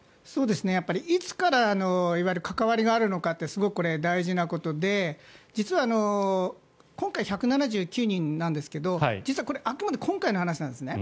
やっぱりいつから関わりがあるのかってすごく大事なことで実は今回、１７９人なんですけど実はこれはあくまで今回の話なんですよね。